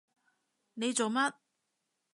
你做乜？